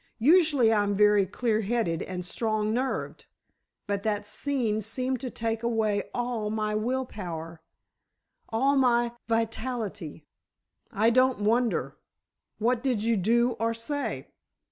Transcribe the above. Usually I'm very clear headed and strong nerved, but that scene seemed to take away all my will power—all my vitality." "I don't wonder. What did you do or say?"